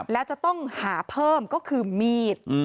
แล้วจะต้องหาเพิ่มก็คือมีด